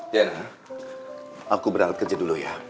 diana aku beralih kerja dulu ya